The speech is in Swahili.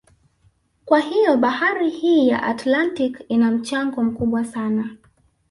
Kwa hiyo bahari hii ya Atlantiki ina mchango mkubwa sana